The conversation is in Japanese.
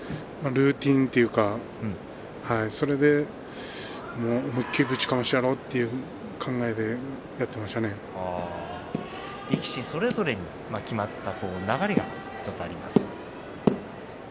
ルーティンというかそれでぶちかましてやろうという力士それぞれに決まった流れが１つあります。